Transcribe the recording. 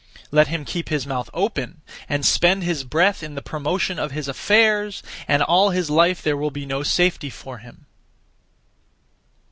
Let him keep his mouth open, and (spend his breath) in the promotion of his affairs, and all his life there will be no safety for him.